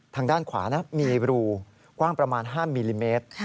ทางด้านขวานะมีรูกว้างประมาณ๕มิลลิเมตร